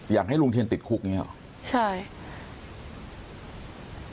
อยากให้ลุงเทียนติดคุกอย่างนี้หรอใช่